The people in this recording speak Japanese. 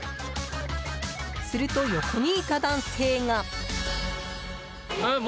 すると、横にいた男性が。